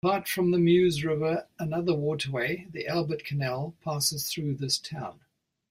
Apart from the Meuse river another waterway, the Albert Canal, passes through this town.